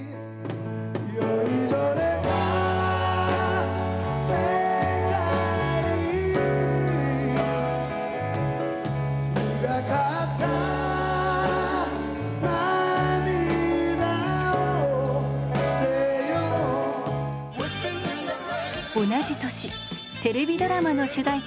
酔いどれた世界ににがかった涙を捨てよう同じ年テレビドラマの主題歌